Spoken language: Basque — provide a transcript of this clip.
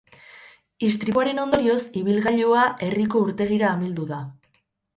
Istripuaren ondorioz, ibilgailua herriko urtegira amildu da.